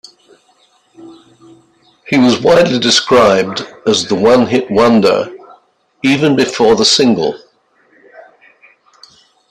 He was widely described as a one hit wonder even before the single.